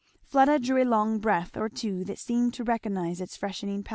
Fleda drew a long breath or two that seemed to recognize its freshening power.